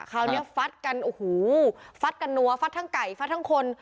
คราวนี้ฟัดกันโอ้โหฟัดกันนัวฟัดทั้งไก่ฟัดทั้งคน